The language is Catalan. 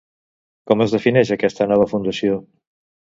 Com es defineix aquesta nova fundació?